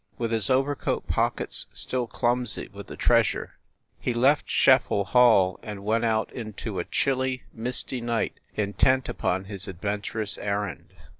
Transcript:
With his overcoat pockets still clumsy with the treasure, he left Scheffel Hall and went out into a chill, misty night, intent upon his adventurous errand.